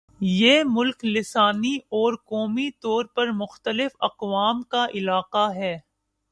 یہ ملک لسانی اور قومی طور پر مختلف اقوام کا علاقہ ہے